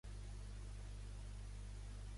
M'agradaria anar al carrer de Rubén Darío amb tren.